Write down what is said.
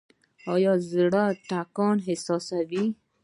ایا د زړه ټکان احساسوئ؟